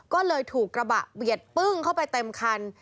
ก็เลยถูกกระบะเบียดปึ้งเข้าไปเต็มคัน